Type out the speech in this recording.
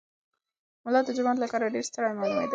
ملا د جومات له کاره ډېر ستړی معلومېده.